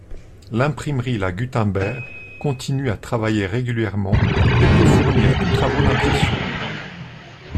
L'IMPRIMERIE La Gutenberg continue à travailler régulièrement et peut fournir tous travaux d'impression.